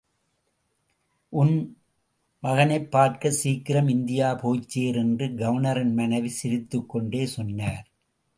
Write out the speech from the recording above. உன் மகனைப் பார்க்க சீக்கிரம் இந்தியா போய்ச்சேர் என்று கவர்னரின் மனைவி சிரித்துக்கொண்டே சொன்னார்.